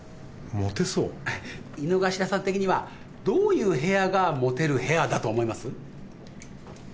井之頭さん的にはどういう部屋がモテる部屋だと思います？